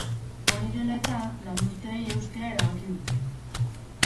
Hori dela eta, lanuzteei eustea erabaki dute.